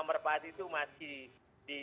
merpati itu masih